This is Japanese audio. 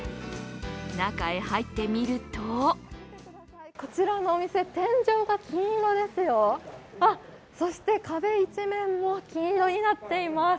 中へ入ってみるとこちらのお店、天井が金色ですよあ、そして壁一面も金色になっています。